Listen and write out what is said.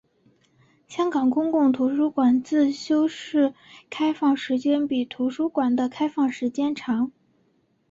香港公共图书馆自修室开放时间比图书馆的开放时间长。